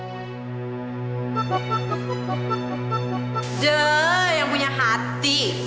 duh yang punya hati